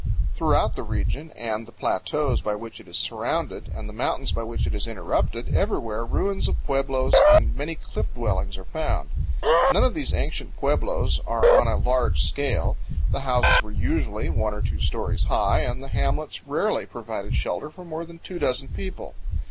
Throughout the region and the plateaus by which it is surrounded and the mountains by which it is interrupted, everywhere ruins of pueblos and many cliff dwellings are found. None of these ancient pueblos are on a large scale. The houses were usually one or two stories high and the hamlets rarely provided shelter for more than two dozen people.